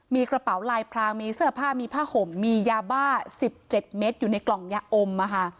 มีกระเป๋าลายพรางมีเสื้อผ้ามีผ้าห่มมียาบ้า๑๗เมตรอยู่ในกล่องยาอม